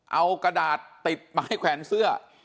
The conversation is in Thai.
เอากระดาษติดไม้แขวนเสื้อ